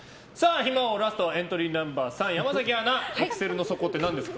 暇王ラストはエントリーナンバー３山崎アナエクセルの底って何ですか。